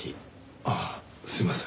ああすいません。